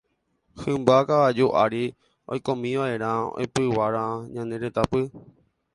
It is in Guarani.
Hymba kavaju ári oikómiva'erã oipyguara ñane retãpy.